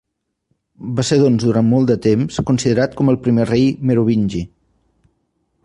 Va ser doncs durant molt de temps considerat com el primer rei merovingi.